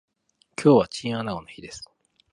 今日はチンアナゴの日です